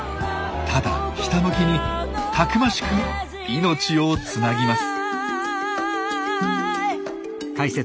ただひたむきにたくましく命をつなぎます。